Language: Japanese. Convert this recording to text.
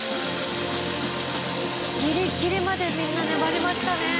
ギリギリまでみんな粘りましたね。